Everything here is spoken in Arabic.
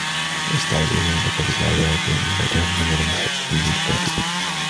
يَسْتَعْجِلُونَكَ بِالْعَذَابِ وَإِنَّ جَهَنَّمَ لَمُحِيطَةٌ بِالْكَافِرِينَ